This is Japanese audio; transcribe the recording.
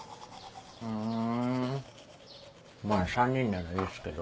ふんまぁ３人ならいいですけど。